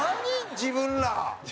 自分ら。